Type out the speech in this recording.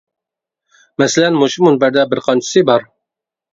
مەسىلەن مۇشۇ مۇنبەردە بىر قانچىسى بار.